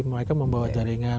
mereka membawa jaringan